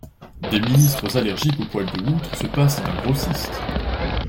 Des ministres allergiques aux poils de loutre se passent d'un grossiste.